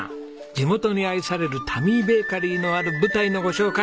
地元に愛されるタミーベーカリーのある舞台のご紹介